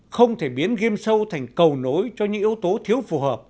không thể biến game show thành cầu nối cho những yếu tố thiếu phù hợp